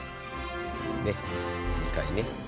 ねっ２回ね。